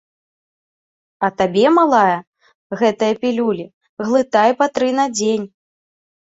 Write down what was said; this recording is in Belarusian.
А табе, малая, гэтыя пілюлі, глытай па тры на дзень.